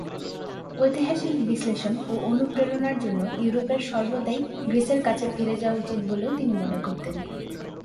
ঐতিহাসিক বিশ্লেষণ ও অনুপ্রেরণার জন্য ইউরোপের সর্বদাই গ্রীসের কাছে ফিরে যাওয়া উচিত বলেও তিনি মনে করতেন।